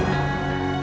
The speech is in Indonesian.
dan dia berpikir bahwa